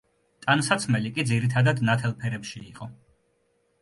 ტანსაცმელი კი ძირითადად ნათელ ფერებში იყო.